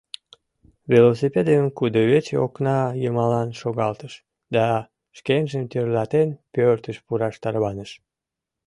Велосипедым кудывече окна йымалан шогалтыш да, шкенжым тӧрлатен, пӧртыш пураш тарваныш.